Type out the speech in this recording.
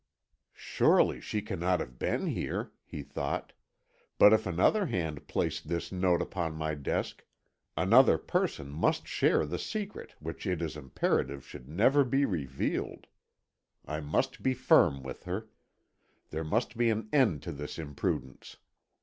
"Surely she cannot have been here," he thought. "But if another hand placed this note upon my desk, another person must share the secret which it is imperative should never be revealed. I must be firm with her. There must be an end to this imprudence.